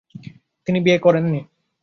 তিনি বিয়ে করেন নি।